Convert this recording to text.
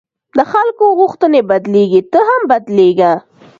د خلکو غوښتنې بدلېږي، ته هم بدلېږه.